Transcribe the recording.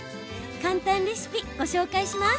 簡単レシピ、ご紹介します。